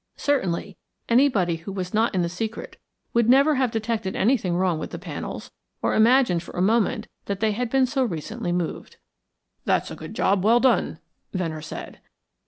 Certainly, anybody who was not in the secret would never have detected anything wrong with the panels or imagined for a moment that they had been so recently moved. "That's a good job well done," Venner said.